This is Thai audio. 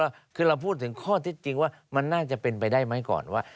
ก็คือเราพูดถึงข้อเท็จจริงว่ามันน่าจะเป็นไปได้ไหมก่อนว่า